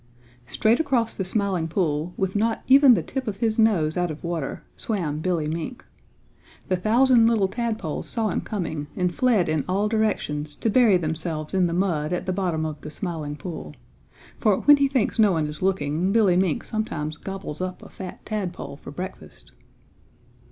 Straight across the Smiling Pool, with not even the tip of his nose out of water, swam Billy Mink. The thousand little tadpoles saw him coming and fled in all directions to bury themselves in the mud at the bottom of the Smiling Pool, for when he thinks no one is looking Billy Mink sometimes gobbles up a fat tadpole for breakfast.